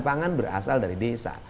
pangan berasal dari desa